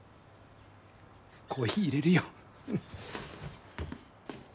コーヒーいれるよ。